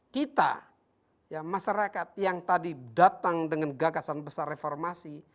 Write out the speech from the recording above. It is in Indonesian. kita masyarakat yang tadi datang dengan gagasan besar reformasi